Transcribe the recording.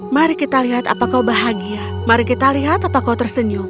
mari kita lihat apa kau bahagia mari kita lihat apa kau tersenyum